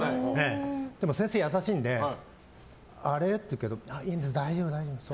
でも、先生優しいのであれ？って言うけどいいんです、大丈夫ですって。